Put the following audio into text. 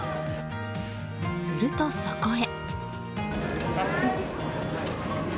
すると、そこへ。